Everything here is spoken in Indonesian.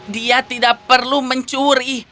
dia tidak perlu mencuri